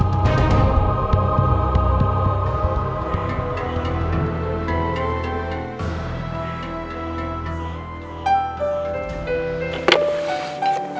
saya sudah berhasil